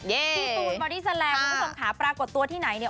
พี่ตูนบอดี้แลนด์คุณผู้ชมค่ะปรากฏตัวที่ไหนเนี่ย